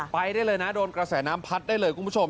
ไปได้เลยนะโดนกระแสน้ำพัดได้เลยคุณผู้ชม